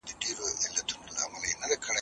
د ښځو په وړاندې شرم کول تاوان لري.